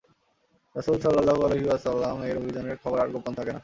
রাসূল সাল্লাল্লাহু আলাইহি ওয়াসাল্লাম-এর অভিযানের খবর আর গোপন থাকে না।